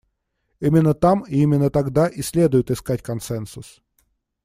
Именно там и именно тогда и следует искать консенсус.